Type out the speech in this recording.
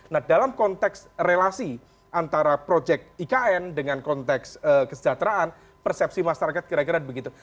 nah dalam konteks relasi antara proyek ikn dengan konteks kesejahteraan persepsi masyarakat kira kira begitu